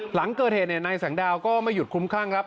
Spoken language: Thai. หลังเกิดเหตุนายสังดาวก็ไม่หยุดคลุ้มคลั่งครับ